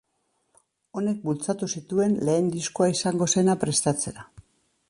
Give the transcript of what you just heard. Honek bultzatu zituen lehen diskoa izango zena prestatzera.